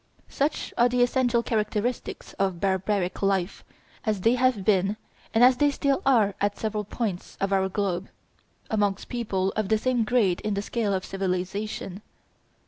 Such are the essential characteristics of barbaric life, as they have been and as they still are at several points of our globe, amongst people of the same grade in the scale of civilization.